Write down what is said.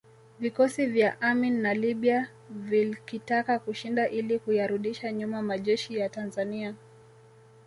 Vikosi vya Amin na Libya vilkitaka kushinda ili kuyarudisha nyuma majeshi ya Tanzania